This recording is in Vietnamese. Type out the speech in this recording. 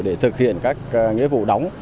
để thực hiện các nghĩa vụ đóng